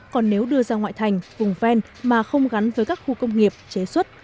còn nếu đưa ra ngoại thành vùng ven mà không gắn với các khu công nghiệp chế xuất